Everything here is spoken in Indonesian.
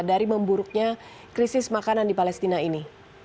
dari memburuknya krisis makanan di palestina ini